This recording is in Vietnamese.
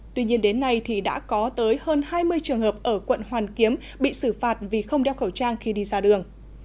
tuy nhiên đến nay thì đã có tới hơn hai mươi trường hợp ở quận hoàn kiếm bị xử phạt vì không đeo khẩu trang khi đi ra đường